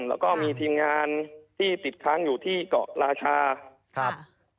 แล้วก็มีทีมงานที่ติดค้างอยู่ที่เกาะราชาครับ